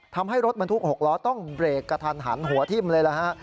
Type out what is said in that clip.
ทำให้รถบรรทุก๖ล้อต้องเบรกกระทันหันหัวทิ่มเลยนะฮะ